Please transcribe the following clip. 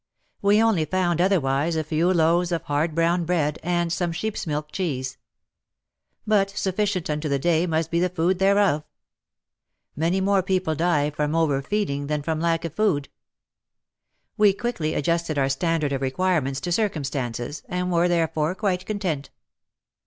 We only found otherwise a few loaves of hard brown bread and some sheep's milk cheese. But sufficient unto the day must be the food thereof. Many more people die from overfeeding than from lack of food. We quickly adjusted our standard of requirements to circumstances, and were therefore quite content.